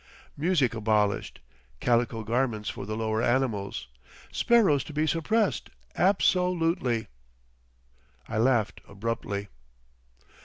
Music abolished, calico garments for the lower animals! Sparrows to be suppressed—ab so lutely." I laughed abruptly.